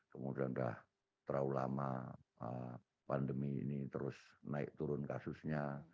kemudian sudah terlalu lama pandemi ini terus naik turun kasusnya